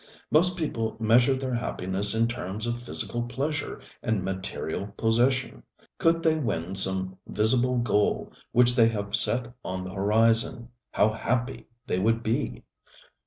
Most people measure their happiness in terms of physical pleasure and material possession. Could they win some visible goal which they have set on the horizon, how happy they would be!